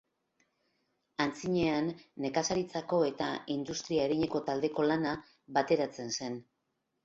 Antzinean, nekazaritzako eta industria arineko taldeko lana bateratzen zen.